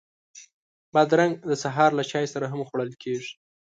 بادرنګ د سهار له چای سره هم خوړل کېږي.